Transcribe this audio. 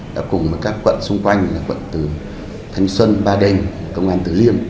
đã cùng với các quận xung quanh quận từ thành xuân ba đình công an từ liêm